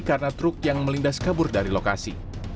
karena truk yang melindas kabur dari lokasi